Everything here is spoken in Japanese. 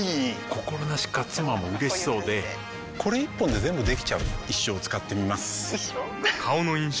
心なしか妻も嬉しそうでこれ一本で全部できちゃう一生使ってみます一生？